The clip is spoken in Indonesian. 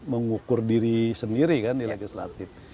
mengukur diri sendiri kan di legislatif